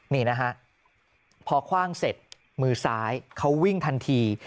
นี่นะฮะพอคว่างเสร็จมือซ้ายเขาวิ่งทันที